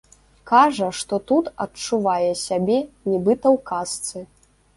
Кажа, што тут адчувае сябе нібыта ў казцы.